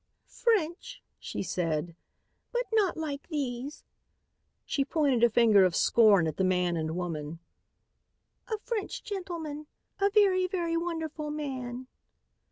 "French," she said, "but not like these," she pointed a finger of scorn at the man and woman. "A French gentleman. A very, very wonderful man."